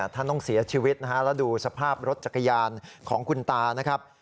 ท่านต้องเสียชีวิตนะฮะแล้วดูสภาพรถจักรยานของคุณตานะครับ